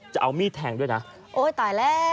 จะเอามีดแทงด้วยนะโอ้ยตายแล้ว